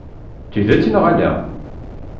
D tidet neɣ ala?